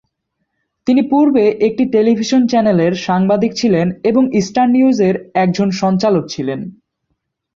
তিনি পূর্বে একটি টেলিভিশন চ্যানেলের সাংবাদিক ছিলেন এবং স্টার নিউজ এর একজন সঞ্চালক ছিলেন।